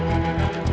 gak akan kecil